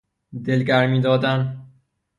دلگرمی دادن